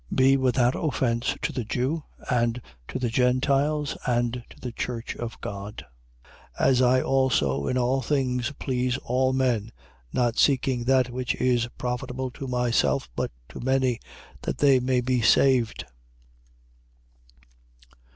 10:32. Be without offence to the Jew, and to the Gentiles and to the church of God: 10:33. As I also in all things please all men, not seeking that which is profitable to myself but to many: that they may be saved.